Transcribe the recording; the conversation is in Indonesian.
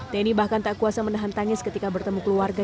teni bahkan tak kuasa menahan tangis ketika bertemu keluarga